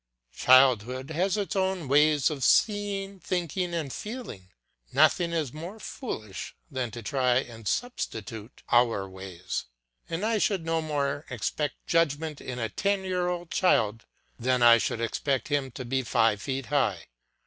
Childhood has its own ways of seeing, thinking, and feeling; nothing is more foolish than to try and substitute our ways; and I should no more expect judgment in a ten year old child than I should expect him to be five feet high.